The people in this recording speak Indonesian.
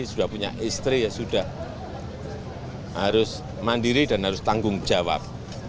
sudah punya istri ya sudah harus mandiri dan harus tanggung jawab